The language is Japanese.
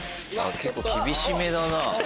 結構厳しめだな。